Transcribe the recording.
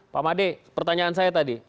pak made pertanyaan saya tadi